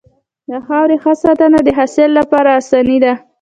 د خاورې ښه ساتنه د حاصل لپاره اساسي ده.